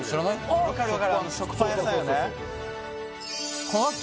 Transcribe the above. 分かる食パン屋さんよね